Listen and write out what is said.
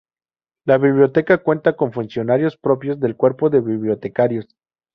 La biblioteca cuenta con funcionarios propios del cuerpo de bibliotecarios.